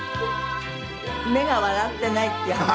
目が笑っていないっていう話。